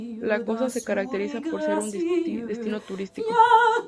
La costa se caracteriza por ser un destino turístico.